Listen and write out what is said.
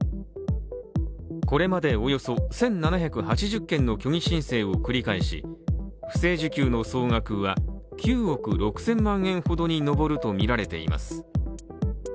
これまでおよそ１７８０件の虚偽申請を繰り返し、不正受給の総額は９億６０００万円ほどに上るとみられています。